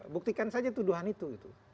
buktikan saja tuduhan itu